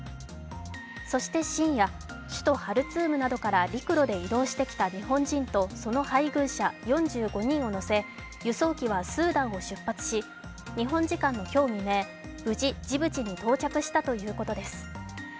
そして深夜、首都ハルツームなどから陸路で移動してきた日本人とその配偶者４５人を乗せ輸送機はスーダンを出発し日本時間の今日未明、無事、ジブチに到着したということです。